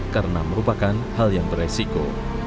karena merupakan hal yang beresiko